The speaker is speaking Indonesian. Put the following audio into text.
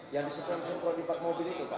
yang disemprot semprot di park mobil itu pak